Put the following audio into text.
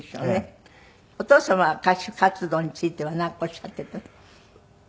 お父様は歌手活動についてはなんかおっしゃっていた？